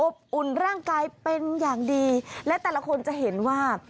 อุ่นร่างกายเป็นอย่างดีและแต่ละคนจะเห็นว่า